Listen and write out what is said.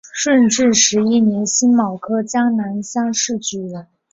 顺治十一年辛卯科江南乡试举人。